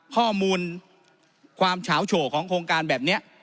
ข้อมูลความเฉาโฉของโครงการแบบนี้